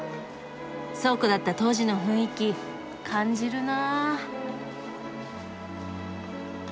倉庫だった当時の雰囲気感じるな。